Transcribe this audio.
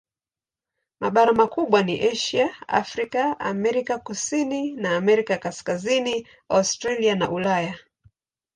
Mabara makubwa ni Asia, Afrika, Amerika Kusini na Amerika Kaskazini, Australia na Ulaya.